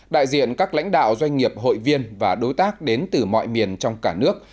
đại diện các lãnh đạo doanh nghiệp hội viên và đối tác đến từ mọi miền trong cả nước